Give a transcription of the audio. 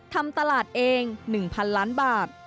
ทำตลาดเอง๑๐๐๐ล้านบาท